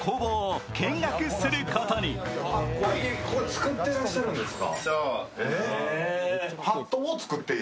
作ってらっしゃるんですか。